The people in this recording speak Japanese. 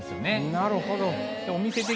なるほど。